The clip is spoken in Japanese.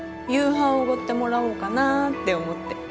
夕飯おごってもらおうかなって思って。